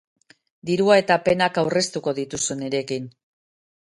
Dirua eta penak aurreztuko dituzu nirekin.